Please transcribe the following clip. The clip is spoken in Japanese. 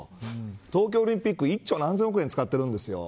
東京オリンピック、１兆何千億円使ってるんですよ。